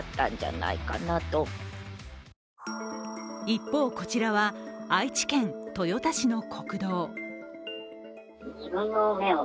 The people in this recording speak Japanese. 一方、こちらは愛知県豊田市の国道。